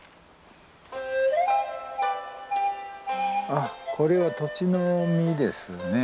あっこれはトチの実ですね。